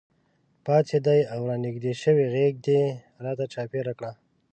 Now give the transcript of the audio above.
پاڅېدې او رانږدې شوې غېږ دې راته چاپېره کړه.